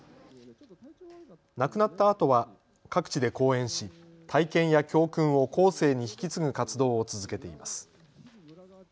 亡くなったあとは各地で講演し体験や教訓を後世に引き継ぐ活動を続けています。